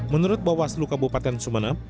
menurut bawaslu kabupaten sumeneb